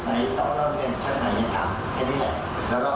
ขับแก๊บแน่นขับออกไซส์ขับแก๊บมาอีกวัน